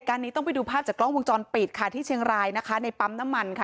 นี้ต้องไปดูภาพจากกล้องวงจรปิดค่ะที่เชียงรายนะคะในปั๊มน้ำมันค่ะ